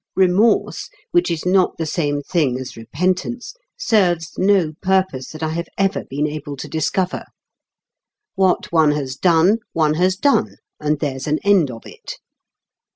Remorse, which is not the same thing as repentance, serves no purpose that I have ever been able to discover. What one has done, one has done, and there's an end of it.